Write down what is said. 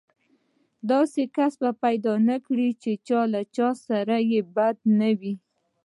داسې کس به پيدا نه کړې چې له چا سره يې بدي نه وي.